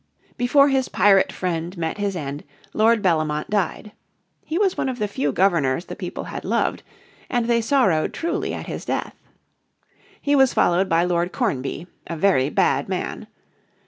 Before his pirate friend met his end Lord Bellomont died. He was one of the few Governors the people had loved, and they sorrowed truly at his death. He was followed by Lord Cornby, a very bad man.